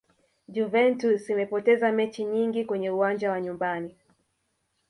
juventus imepoteza mechi nyingi kwenye uwanja wa nyumbani